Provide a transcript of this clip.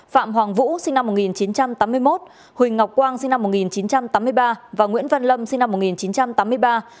phạm hoàng vũ sinh năm một nghìn chín trăm tám mươi một huỳnh ngọc quang sinh năm một nghìn chín trăm tám mươi ba và nguyễn văn lâm sinh năm một nghìn chín trăm tám mươi ba